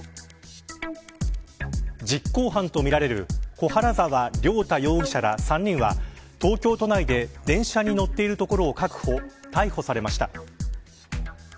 実行犯とみられる小原沢亮太容疑者ら３人は東京都内で電車に乗っているところを確保逮捕されました。